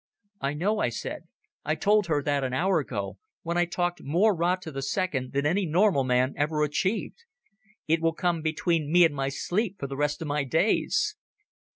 "I know," I said. "I told her that an hour ago, when I talked more rot to the second than any normal man ever achieved. It will come between me and my sleep for the rest of my days."